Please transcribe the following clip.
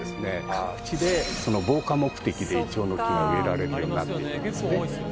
各地で防火目的でイチョウの木が植えられるようになっていったんですね。